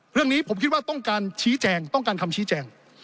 เรื่องนี้ผมคิดว่าต้องการชี้แจงต้องการคำชี้แจง